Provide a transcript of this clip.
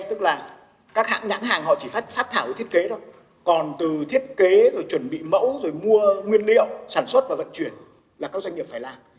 tức là các hãng nhãn hàng họ chỉ phát thảo thiết kế thôi còn từ thiết kế rồi chuẩn bị mẫu rồi mua nguyên liệu sản xuất và vận chuyển là các doanh nghiệp phải làm